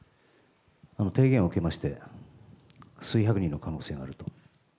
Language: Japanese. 提言を受けまして、数百人の可能性があると。